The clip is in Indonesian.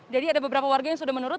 jadi ada beberapa warga yang sudah menurut